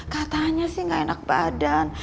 katanya sih gak enak badan